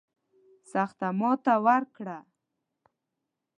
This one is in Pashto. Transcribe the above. سخته ماته ورکړه.